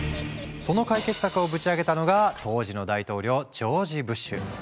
その解決策をぶち上げたのが当時の大統領ジョージ・ブッシュ。